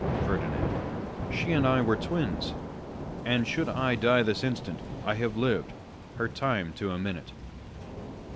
Ferdinand. She and I were twins : And should I die this instant, I had lived Her time to a minute.